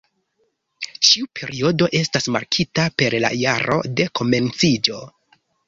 Ĉiu periodo estas markita per la jaro de komenciĝo.